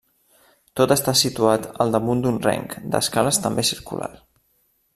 Tot està situat al damunt d'un reng d'escales també circular.